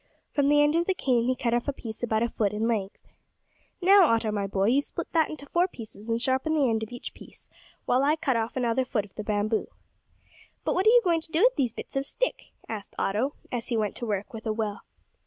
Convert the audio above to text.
From the end of the cane he cut off a piece about a foot in length. "Now, Otto, my boy, you split that into four pieces, and sharpen the end of each piece, while I cut off another foot of the bamboo." "But what are you going to do with these bits of stick?" asked Otto, as he went to work with a will.